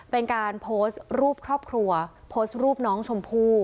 เป็นการโพสต์รูปครอบครัวโพสต์รูปน้องชมพู่